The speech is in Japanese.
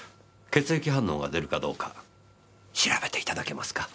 血液反応が出るかどうか調べていただけますか？